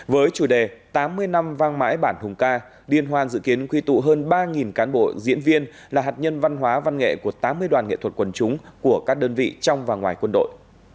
với chủ đề tám mươi năm vang mãi bản hùng ca liên hoan dự kiến quy tụ hơn ba người